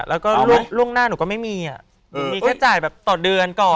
ลูกหน้าหนูก็มีแค่จ่ายต่อเดือนก่อน